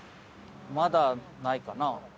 まだないかな？